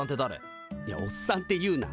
いやおっさんって言うな。